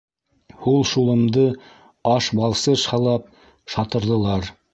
Һул шулымды, аш балсыш һылап, шатырҙылар.